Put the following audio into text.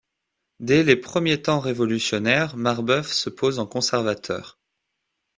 Dès les premiers temps révolutionnaires, Marbeuf se pose en conservateur.